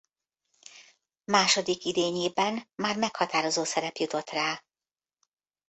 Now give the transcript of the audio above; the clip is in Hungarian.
Második idényében már meghatározó szerep jutott rá.